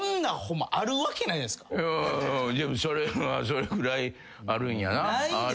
でもそれはそれぐらいあるんやな。